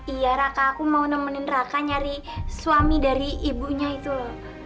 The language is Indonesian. iya raka aku mau nemenin raka nyari suami dari ibunya itu loh